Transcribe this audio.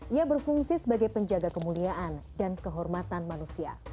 ia berfungsi sebagai penjaga kemuliaan dan kehormatan manusia